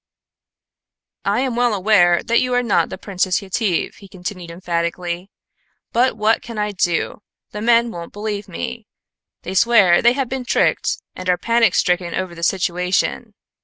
"I am well aware that you are not the Princess Yetive," he continued emphatically; "but what can I do; the men won't believe me. They swear they have been tricked and are panic stricken over the situation.